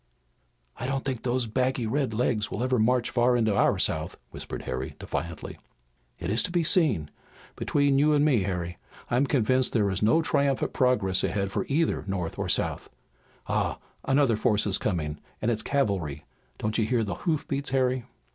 "I don't think those baggy red legs will ever march far into our South," whispered Harry defiantly. "It is to be seen. Between you and me, Harry, I'm convinced there is no triumphant progress ahead for either North or South. Ah, another force is coming and it's cavalry! Don't you hear the hoof beats, Harry?"